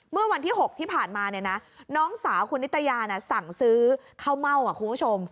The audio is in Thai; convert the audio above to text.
เมื่อวันที่๖ที่ผ่านมาเนี่ยนะน้องสาวคุณนิตยาสั่งซื้อข้าวเม่าคุณผู้ชม